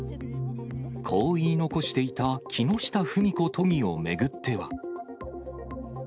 こう言い残していた木下富美子都議を巡っては。